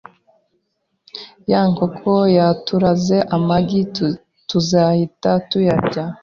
Ya nkoko yaturaze amagi tuzahita tuyarya.